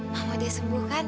mama udah sembuh kan